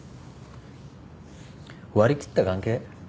「割り切った関係」？